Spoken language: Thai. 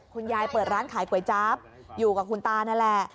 เปิดร้านขายก๋วยจั๊บอยู่กับคุณตานั่นแหละ